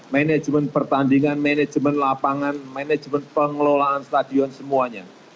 manajemen pertandingan manajemen lapangan manajemen pengelolaan stadion semuanya